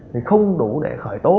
thì không đủ để khởi tố